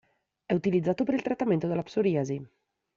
È utilizzato per il trattamento della psoriasi.